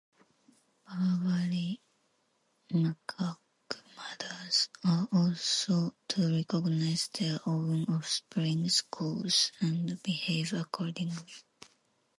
Barbary macaque mothers are able to recognize their own offspring's calls and behave accordingly.